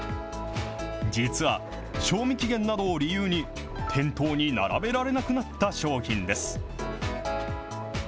実は賞味期限などを理由に、店頭に並べられなくなった商品です。